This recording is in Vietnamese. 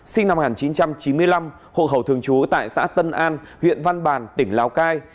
sinh năm một nghìn chín trăm chín mươi năm hộ khẩu thường trú tại xã tân an huyện văn bàn tỉnh lào cai